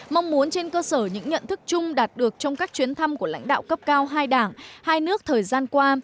mong muốn trên cơ sở những nhận thức chung đạt được trong các chuyến thăm của lãnh đạo cấp cao hai đảng hai nước thời gian qua